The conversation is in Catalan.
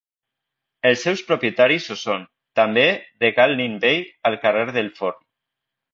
Els seus propietaris ho són, també, de Cal Nin Vell, al carrer del Forn.